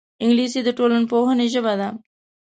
انګلیسي د ټولنپوهنې ژبه ده